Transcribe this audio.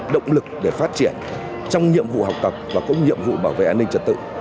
động lực để phát triển trong nhiệm vụ học tập và có nhiệm vụ bảo vệ an ninh trật tự